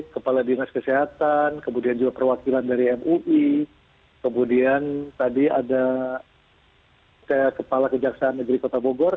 kepala dinas kesehatan kemudian juga perwakilan dari mui kemudian tadi ada kepala kejaksaan negeri kota bogor